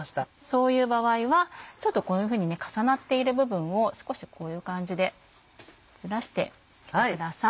そういう場合はちょっとこういうふうに重なっている部分を少しこういう感じでずらしてください。